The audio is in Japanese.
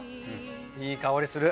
いい香りする。